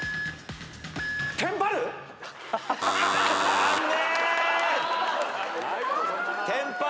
残念！